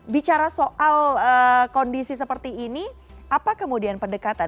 bicara soal kondisi seperti ini apa kemudian pendekatan